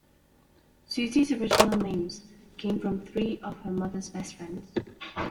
Suzy's original names came from three of her mother's best friends.